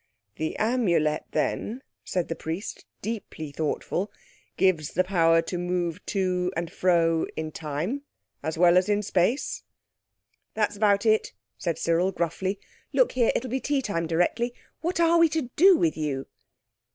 "The Amulet, then," said the Priest, deeply thoughtful, "gives the power to move to and fro in time as well as in space?" "That's about it," said Cyril gruffly. "Look here, it'll be tea time directly. What are we to do with you?"